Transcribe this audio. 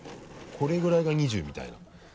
これぐらいが２０みたいな。